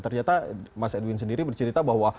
ternyata mas edwin sendiri bercerita bahwa